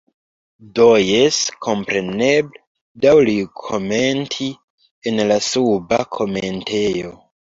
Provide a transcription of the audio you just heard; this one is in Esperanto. Do jes, kompreneble, daŭrigu komenti en la suba komentejo.